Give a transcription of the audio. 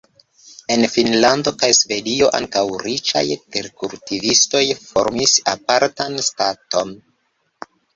En Finnlando kaj Svedio ankaŭ riĉaj terkultivistoj formis apartan "Staton".